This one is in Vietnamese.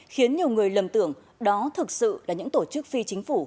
khiến nhiều người lầm tưởng đó thực sự là những tổ chức phi chính phủ